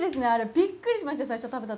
びっくりしました。